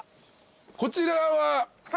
こちらは？